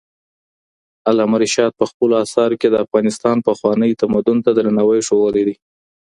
علامه رشاد په خپلو اثارو کې د افغانستان پخوانۍ تمدن ته درناوی ښودلی دی.